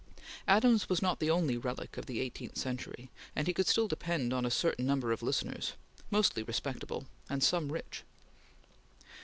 Adams was not the only relic of the eighteenth century, and he could still depend on a certain number of listeners mostly respectable, and some rich.